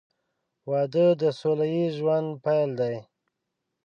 • واده د سوله ییز ژوند پیل دی.